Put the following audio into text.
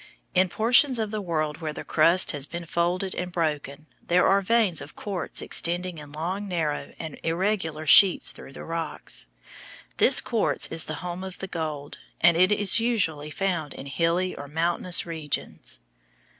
In portions of the world where the crust has been folded and broken there are veins of quartz extending in long, narrow, and irregular sheets through the rocks. This quartz is the home of the gold, and it is usually found in hilly or mountainous regions.